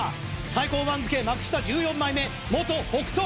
最高番付幕下十四枚目元北勝